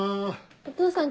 お父さん